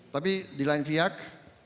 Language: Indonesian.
tapi di lain pihak